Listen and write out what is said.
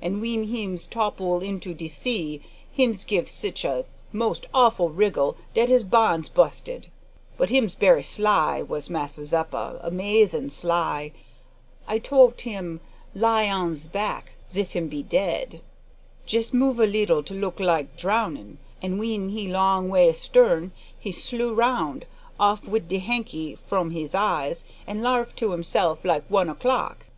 An' w'en hims topple into de sea hims give sitch a most awful wriggle dat his bonds bu'sted. But hims berry sly, was Massa Zeppa amazin' sly. I t'ought him lie on's back zif him be dead. Jest move a leetle to look like drownin', an' w'en he long way astern, he slew round, off wid de hanky fro hims eyes an' larf to hisseff like one o'clock.